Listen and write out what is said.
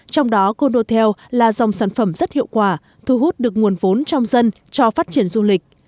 trong đó condotel là dòng sản phẩm rất hiệu quả thu hút được nguồn vốn trong dân cho phát triển du lịch